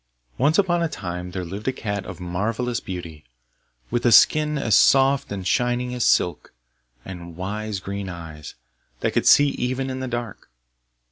] Once upon a time there lived a cat of marvellous beauty, with a skin as soft and shining as silk, and wise green eyes, that could see even in the dark.